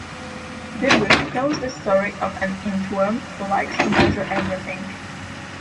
The book tells the story of an inchworm who likes to measure everything.